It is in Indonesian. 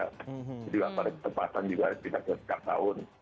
jadi gak pada kesempatan juga tidak bisa setiap tahun